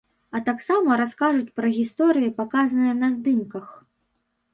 А таксама раскажуць пра гісторыі, паказаныя на здымках.